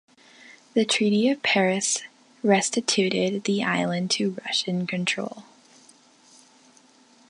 The Treaty of Paris restituted the island to Russian control.